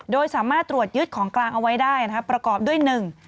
โดยสามารถตรวจยึดของกลางเอาไว้ได้นะครับประกอบด้วยหนึ่ง